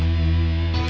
oke sampai jumpa